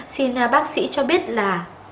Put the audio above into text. xin bác sĩ cho biết là